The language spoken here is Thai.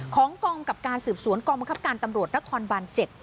ของกองกับการสืบสวนกองบังคับการตำรวจนครบาน๗